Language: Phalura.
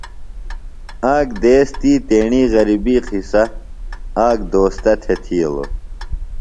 آک دیس تی تیݨیۡ غربی قصہ آک دوستہ تھےۡ تِھیلوۡ۔